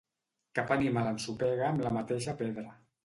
Cap animal ensopega amb la mateixa pedra.